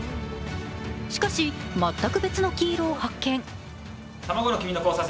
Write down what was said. しかし、全く別の黄色を発見。